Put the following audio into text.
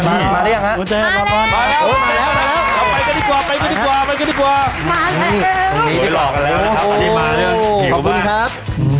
ไปก็ดีกว่าไปก็ดีกว่า